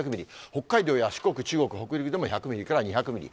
北海道や四国、中国、北陸でも１００ミリから２００ミリ。